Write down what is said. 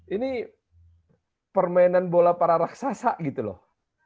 ini permainan bola para raksasa gitu loh